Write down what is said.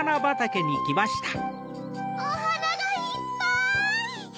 おはながいっぱい！